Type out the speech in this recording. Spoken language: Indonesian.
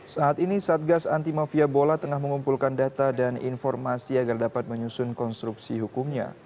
saat ini satgas anti mafia bola tengah mengumpulkan data dan informasi agar dapat menyusun konstruksi hukumnya